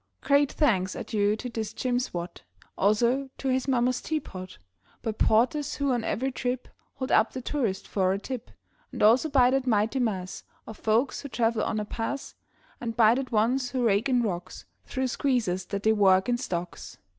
Great thanks are due to this James Watt, Also to his mama's teapot, By porters who on every trip Hold up the tourist for a tip, And also by that mighty mass Of folks who travel on a pass, And by the ones who rake in rocks Through squeezes that they work in stocks.